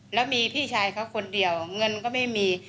แล้วมีพี่ชายเขาคนเดียวเงินก็ไม่มี